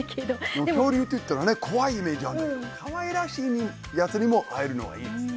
でも恐竜って言ったらね怖いイメージあるけどかわいらしいやつにも会えるのはいいですね。